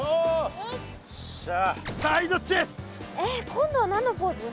今度は何のポーズ？